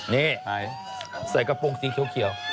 นี่ใส่กระโปรงสีเขียว